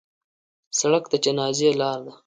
سړک د جنازې لار ده.